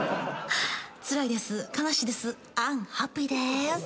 つらいです悲しいですアンハッピーです。